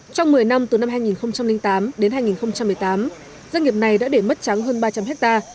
trong một mươi năm từ năm hai nghìn tám đến hai nghìn một mươi tám doanh nghiệp này đã để mất trắng hơn ba trăm linh ha